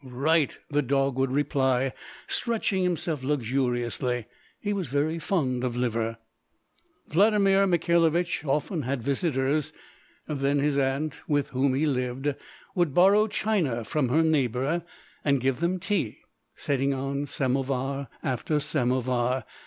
"Right!" the dog would reply, stretching himself luxuriously. He was very fond of liver. Vladimir Mikhailovich often had visitors. Then his aunt, with whom he lived, would borrow china from her neighbour, and give them tea, setting on samovar after samovar.